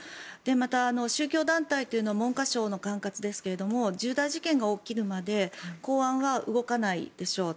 また、宗教団体というのは文科省の管轄ですが重大事件が起きるまで公安は動かないでしょう。